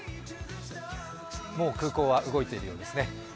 もう空港は動いているようですね。